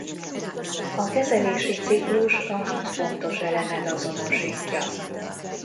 A kezelési ciklus a hat fontos elemet azonosítja.